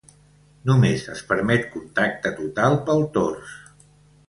Només es permet contacte total pel tors.